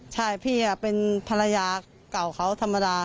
ใช่พี่เป็นภรรยาเก่าเขาธรรมดา